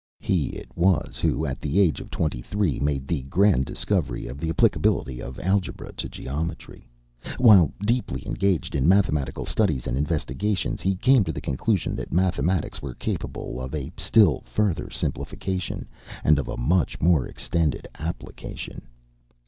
He it was who, at the age of twenty three, made the grand discovery of the applicability of algebra to geometry. While deeply engaged in mathematical studies and investigations, he came to the conclusion that mathematics were capable of a still further simplification, and of much more extended application.